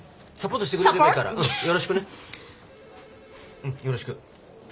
うんよろしくね。